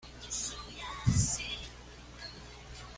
Woo Ki Myung decide convertirse en el hombre más fabuloso del mundo.